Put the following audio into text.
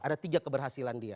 ada tiga keberhasilan dia